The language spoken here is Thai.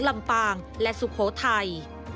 ลำปางและสุโขทัย